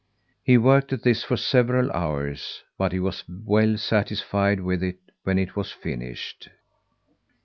He worked at this for several hours, but he was well satisfied with it when it was finished.